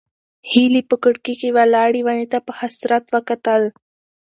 هیلې په کړکۍ کې ولاړې ونې ته په حسرت وکتل.